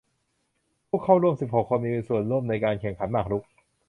ผู้เข้าร่วมสิบหกคนมีส่วนร่วมในการแข่งขันหมากรุก